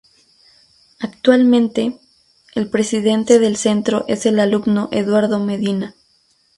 Actualmente, el presidente del centro es el alumno Eduardo Medina.